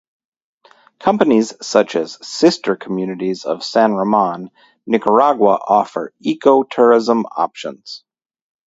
Companies such as Sister Communities of San Ramon, Nicaragua offer ecotourism options.